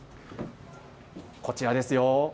こちらですよ。